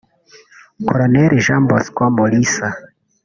Col Jean Bosco Mulisa